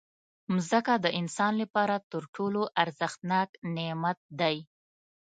مځکه د انسان لپاره تر ټولو ارزښتناک نعمت دی.